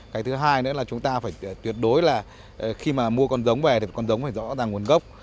cái thứ hai nữa là chúng ta phải tuyệt đối là khi mà mua con giống về thì con giống phải rõ ràng nguồn gốc